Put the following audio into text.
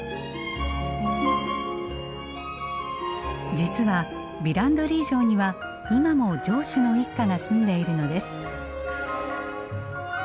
実はヴィランドリー城には今も城主の一家が住んでいるのです。